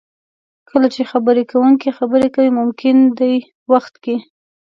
کله چې خبرې کوونکی خبرې کوي ممکن دې وخت کې